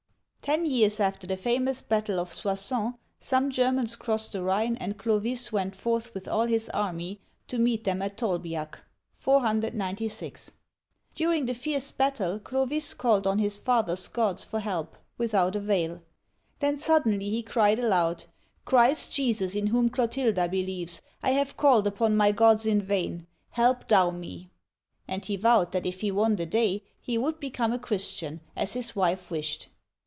Ten years after the famous battle of Soissons, some Germans crossed the Rhine, and Clovis went forth with all his army to meet them at Tolbi'ac (496). During the fierce battle, Clovis called on his fathers* gods for help, without avail. Then suddenly he cried aloud: "Christ Jesus, in whom Clotilda believes, I have called upon my gods in vain. Help Thou me !" And he vowed that if he won the day, he would become a Christian, as his wife wished.